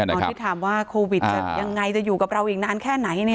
ตอนที่ถามว่าโควิดจะยังไงจะอยู่กับเราอีกนานแค่ไหน